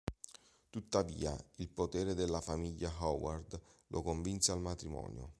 Tuttavia il potere della famiglia Howard lo convinse al matrimonio.